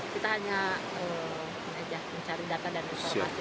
kita hanya mencari data dan informasi